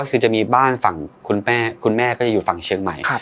ก็คือจะมีบ้านฝั่งคุณแม่คุณแม่ก็จะอยู่ฝั่งเชียงใหม่